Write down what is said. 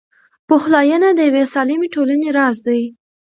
پخلاینه د یوې سالمې ټولنې راز دی.